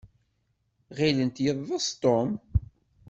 Ɣilent yeḍḍes Tom.